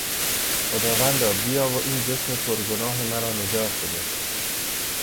خداوندا بیا و این جسم پرگناه مرا نجات بده.